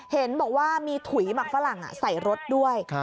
เห็นบอกว่ามีถุยหมักฝรั่งใส่รถด้วย